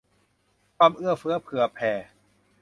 มีความเอื้อเฟื้อเผื่อแผ่